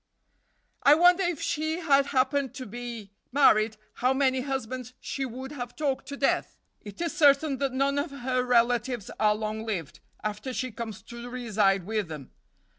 "I wonder, if she had happened to be married, how many husbands she would have talked to death. It is certain that none of her relatives are long lived, after she comes to reside with them.